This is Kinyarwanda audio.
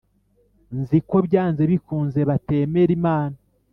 nzi ko byanze bikunze batemera Imana